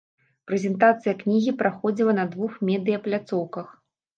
Прэзентацыя кнігі праходзіла на двух медыя-пляцоўках.